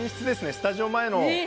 スタジオ前の。